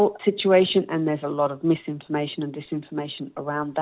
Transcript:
dan ada banyak informasi dan disinformasi di sekitar itu juga